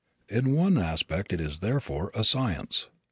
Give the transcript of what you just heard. In one aspect it is, therefore, a science.